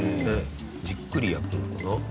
じっくりやってるのかな？